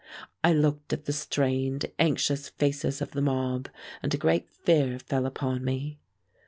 I looked at the strained, anxious faces of the mob, and a great fear fell upon me.